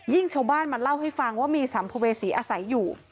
ชาวบ้านมาเล่าให้ฟังว่ามีสัมภเวษีอาศัยอยู่